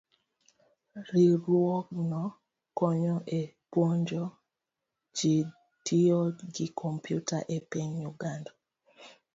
Riwruogno konyo e puonjo ji tiyo gi kompyuta e piny Uganda.